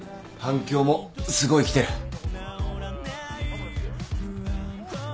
反響もすごい来てる。